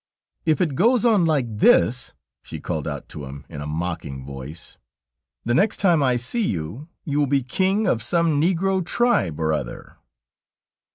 "If it goes on like this," she called out to him in a mocking voice, "the next time I see you, you will be king of some negro tribe or other."